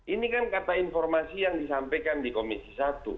ini kan kata informasi yang disampaikan di komisi satu